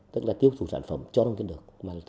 tức là tiếp tục sản phẩm cho nông dân được